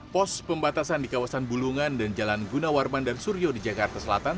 pos pembatasan di kawasan bulungan dan jalan gunawarman dan suryo di jakarta selatan